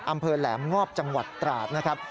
อำเภอแหลมงอบจังหวัดตราดนะครับ